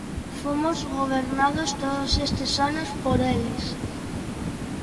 Fomos gobernados todos estes anos por eles.